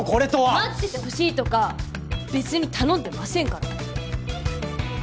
待っててほしいとか別に頼んでませんから。